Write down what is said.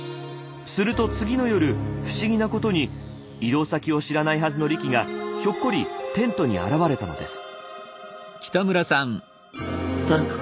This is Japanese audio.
すると次の夜不思議なことに移動先を知らないはずのリキがひょっこりテントに現れたのです。